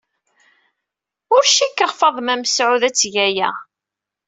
Ur cikkeɣ Faḍma Mesɛud ad teg aya.